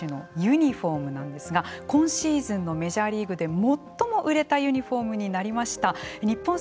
この大谷選手のユニフォームなんですが今シーズンのメジャーリーグで最も売れたユニフォームになりました。